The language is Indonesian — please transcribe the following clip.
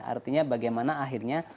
artinya bagaimana akhirnya